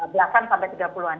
belasan sampai tiga puluh an